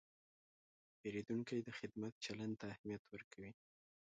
پیرودونکی د خدمت چلند ته اهمیت ورکوي.